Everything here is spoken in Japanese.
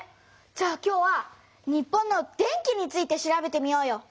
じゃあ今日は日本の電気について調べてみようよ！